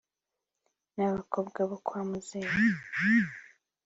nabakobwa bo kwa muzehe